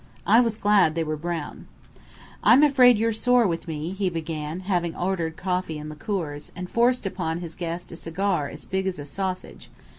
I was glad they were brown. "I'm afraid you're sore with me," he began, having ordered coffee and liqueurs, and forced upon his guest a cigar as big as a sausage.